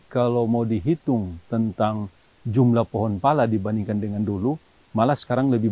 kalau mau dihitung tentang jumlah pohon pala dibandingkan dengan dulu malah sekarang lebih